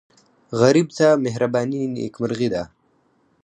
غریب ته مهرباني نیکمرغي ده